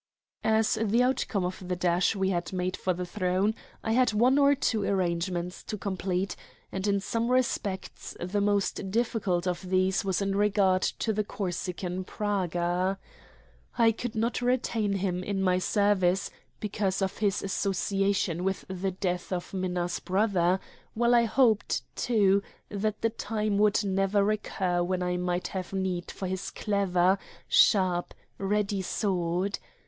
As the outcome of the dash we had made for the throne I had one or two arrangements to complete, and in some respects the most difficult of these was in regard to the Corsican Praga. I could not retain him in my service, because of his association with the death of Minna's brother; while I hoped, too, that the time would never recur when I might have need of his clever, sharp, ready sword.